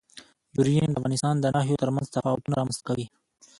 یورانیم د افغانستان د ناحیو ترمنځ تفاوتونه رامنځ ته کوي.